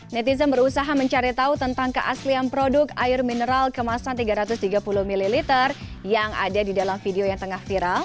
netizen berusaha mencari tahu tentang keaslian produk air mineral kemasan tiga ratus tiga puluh ml yang ada di dalam video yang tengah viral